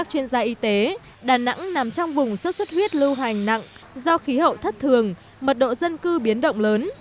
các chuyên gia y tế đà nẵng nằm trong vùng xuất xuất huyết lưu hành nặng do khí hậu thất thường mật độ dân cư biến động lớn